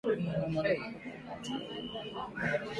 Wanyama waliokufa kwa ugonjwa huu viungo vya ndani huwa vywekundu